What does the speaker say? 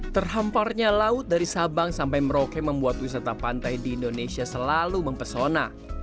terhamparnya laut dari sabang sampai merauke membuat wisata pantai di indonesia selalu mempesona